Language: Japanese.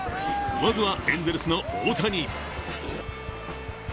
まずはエンゼルスの大谷。